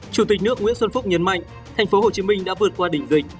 chủ tịch nước nguyễn xuân phúc nhấn mạnh thành phố hồ chí minh đã vượt qua đỉnh dịch